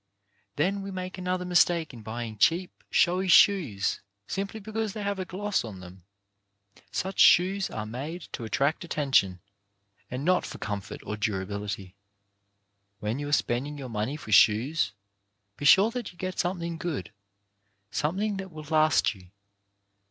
Then we make another mistake in buying cheap, showy shoes simply because they have a gloss on them. Such shoes are made to attract attention, and not for comfort or durability. When you are spend ing your money for shoes, be sure that you get something good, something that will last you.